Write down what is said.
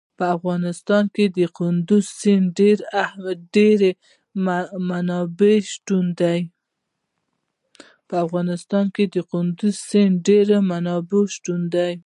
په افغانستان کې د کندز سیند ډېرې منابع شته.